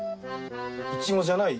イチゴじゃない？